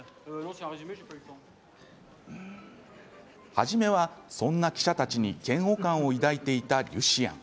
初めは、そんな記者たちに嫌悪感を感じていたリュシアン。